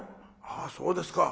「あそうですか。